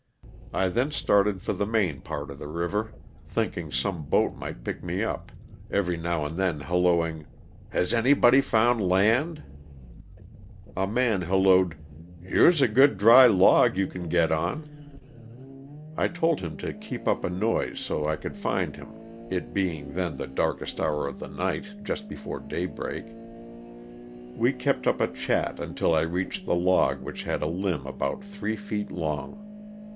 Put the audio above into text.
I then started for the main part of the river, think ing some boat might pick me up, every now and then hallooing, *' has anybody found land?" A man hallooed, '' here's a good dry log you can get on." I told him to keep up a noise so I could find him (it being then the darkest hour of the night — just before daybreak). We kept up a chat until I reached the log which had a limb about three feet long.